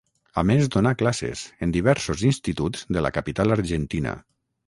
A més donà classes, en diversos instituts de la capital argentina.